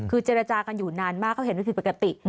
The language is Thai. คือเจรจากันอยู่นานมากเขาเห็นว่าผิดปกติ